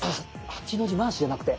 「８の字回し」じゃなくて？